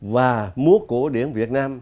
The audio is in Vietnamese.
và múa cổ điển việt nam